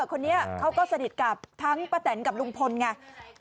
คนนี้เขาก็สนิทกับทั้งป้าแตนกับลุงพลไง